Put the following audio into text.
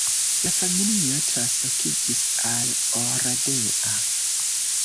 La familio translokiĝis al Oradea.